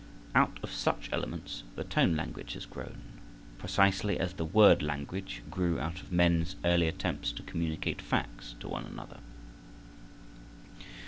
Out of such elements the tone language has grown, precisely as the word language grew out of men's early attempts to communicate facts to one another.